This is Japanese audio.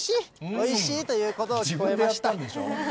おいしいということ、聞こえました。